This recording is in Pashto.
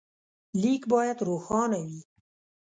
لیک باید روښانه وي.